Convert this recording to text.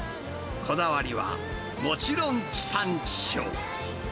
こだわりは、もちろん地産地消。